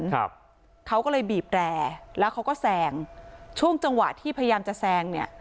ครับเขาก็เลยบีบแร่แล้วเขาก็แซงช่วงจังหวะที่พยายามจะแซงเนี่ย